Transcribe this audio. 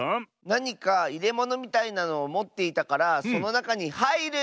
なにかいれものみたいなのをもっていたからそのなかにはいる！